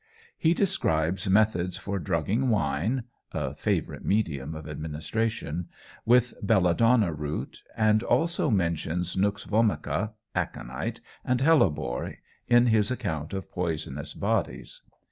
He describes methods for drugging wine (a favourite medium of administration) with belladonna root, and also mentions nux vomica, aconite, and hellebore, in his account of poisonous bodies.